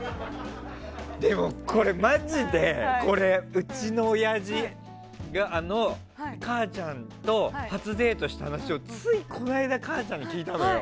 でも、これうちのおやじが母ちゃんと初デートした話をついこの間母ちゃんに聞いたのよ。